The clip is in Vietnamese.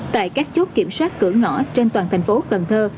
tại các chốt kiểm soát cửa ngõ trên toàn thành phố cần thơ